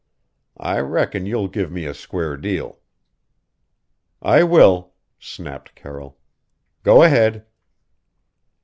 I reckon you'll give me a square deal." "I will," snapped Carroll. "Go ahead."